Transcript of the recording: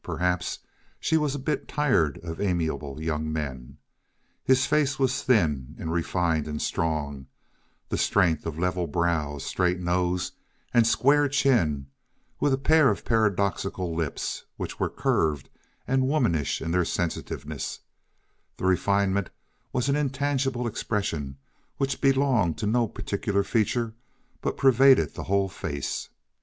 Perhaps she was a bit tired of amiable young men. His face was thin, and refined, and strong the strength of level brows, straight nose and square chin, with a pair of paradoxical lips, which were curved and womanish in their sensitiveness; the refinement was an intangible expression which belonged to no particular feature but pervaded the whole face.